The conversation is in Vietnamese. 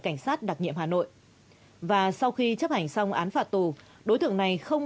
cảnh sát đặc nhiệm hà nội và sau khi chấp hành xong án phạt tù đối tượng này không